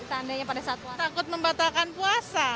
takut membatalkan puasa